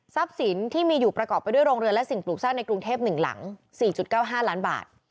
สินที่มีอยู่ประกอบไปด้วยโรงเรือและสิ่งปลูกสร้างในกรุงเทพ๑หลัง๔๙๕ล้านบาท